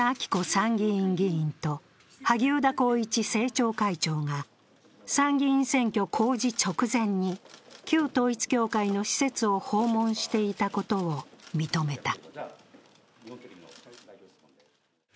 参議院議員と萩生田光一政調会長が参議院選挙公示直前に旧統一教会の施設を訪問していたことを認めた。